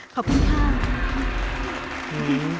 ขอบคุณค่ะ